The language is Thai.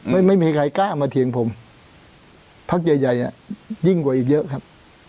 ไม่มีใครกล้ามาเถียงผมพักใหญ่ใหญ่ยิ่งกว่าอีกเยอะครับ